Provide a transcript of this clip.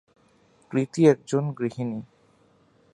কৃতি একজন গৃহিণী।